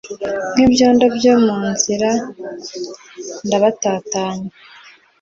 nk ibyondo byo mu nzira ndabatatanya